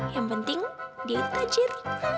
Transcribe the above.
yang penting dia itu tajir